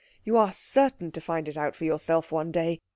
You are certain to find it out for yourself one day.